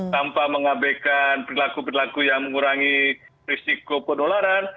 tanpa mengabaikan perilaku perilaku yang mengurangi risiko penularan